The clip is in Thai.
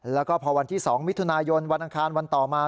แล้วก็พอวันที่๒มิถุนายนวันอังคารวันต่อมา